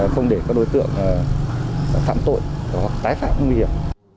không để các đối tượng phạm tội có tái phạm nguy hiểm